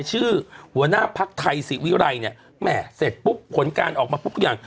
ชื่อหัวหน้าภักดิ์ไทยศิวิรัยเนี่ยแหม่เสร็จปุ๊บผลการออกมาปุ๊บทุกอย่าง